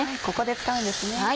ここで使うんですね。